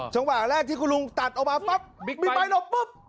จังหวะแรกที่คุณลุงตัดออกมาปั๊บบิ๊กไบทหลบปุ๊บ